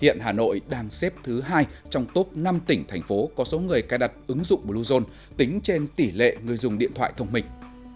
hiện hà nội đang xếp thứ hai trong top năm tỉnh thành phố có số người cài đặt ứng dụng bluezone tính trên tỷ lệ người dùng điện thoại thông minh